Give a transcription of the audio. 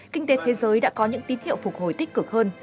kinh tế thế giới đã có những tín hiệu phục hồi tích cực hơn